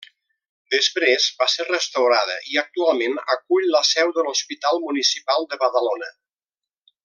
Després va ser restaurada i actualment acull la seu de l'Hospital Municipal de Badalona.